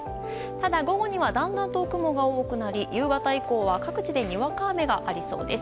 ただ、午後にはだんだんと雲が多くなり夕方以降は各地でにわか雨がありそうです。